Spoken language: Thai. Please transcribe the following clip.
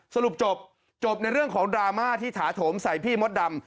สรุปจบจบในเรื่องของดราม่าที่ถาโถมใส่พี่มดดำ